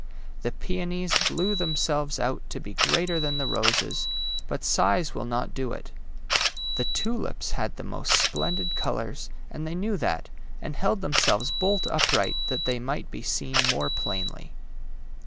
The peonies blew themselves out to be greater than the roses, but size will not do it. The tulips had the most splendid colours, and they knew that, and held themselves bolt upright that they might be seen more plainly.